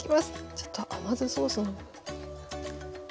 ちょっと甘酢ソースも。